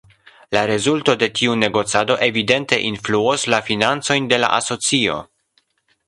La rezulto de tiu negocado evidente influos la financojn de la asocio.